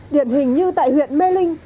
điển hình như tại huyện mê linh